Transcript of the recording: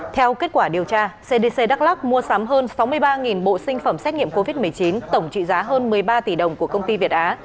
theo kết quả điều tra cdc đắk lắc mua sắm hơn sáu mươi ba bộ sinh phẩm xét nghiệm covid một mươi chín tổng trị giá hơn một mươi ba tỷ đồng của công ty việt á